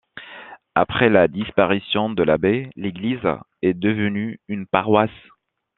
Après la disparition de l'abbaye, l'église est devenue une paroisse.